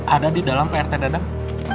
ada di dalam prt dadang